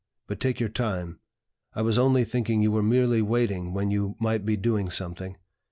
But take your time. I was only thinking you were merely waiting when you might be doing something.